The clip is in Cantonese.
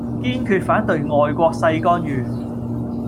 堅決反對外國勢干預